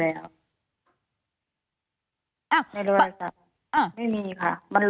ในโทรศัพท์ไม่มีค่ะ